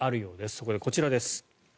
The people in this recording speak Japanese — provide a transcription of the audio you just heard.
そこで、こちらです。